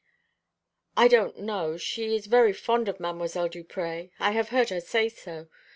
"I don't know. She is very fond of Mdlle. Duprez. I have heard her say so.